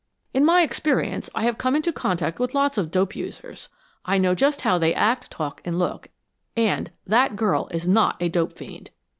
"In my experience I have come into contact with lots of dope users. I know just how they act, talk and look and THAT GIRL IS NOT A DOPE FIEND.